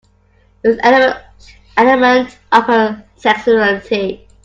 It was an element of her sexuality.